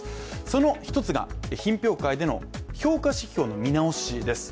その一つが、品評会での評価指標の見直しです。